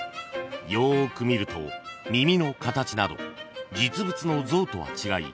［よーく見ると耳の形など実物の象とは違い